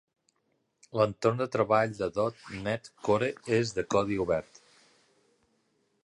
L'entorn de treball de dot net core és de codi obert.